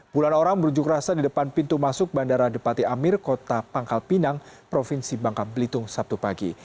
bulan orang berunjuk rasa di depan pintu masuk bandara depati amir kota pangkal pinang provinsi bangka belitung sabtu pagi